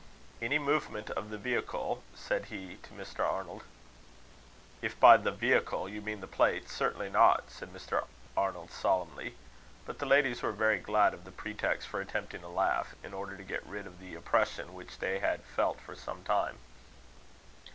"Any movement of the vehicle?" said he to Mr. Arnold. "If by the vehicle you mean the plate, certainly not," said Mr. Arnold solemnly. But the ladies were very glad of the pretext for attempting a laugh, in order to get rid of the oppression which they had felt for some time.